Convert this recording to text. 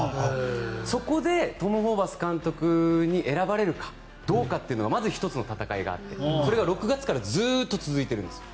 そこでトム・ホーバス監督に選ばれるかどうかというのがまず１つの戦いがあってそれが６月からずっと続いているんですよ。